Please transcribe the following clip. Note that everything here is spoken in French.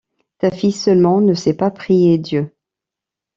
Ta fille seulement ne sait pas prier Dieu!